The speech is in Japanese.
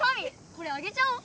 これ上げちゃおう！